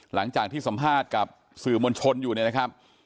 หลังจากที่สัมภาษณ์กับสื่อมวลชนอยู่เนี่ยนะครับ